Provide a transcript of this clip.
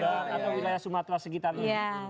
atau wilayah sumatera sekitar itu